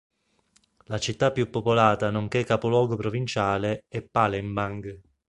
La città più popolata nonché capoluogo provinciale è Palembang.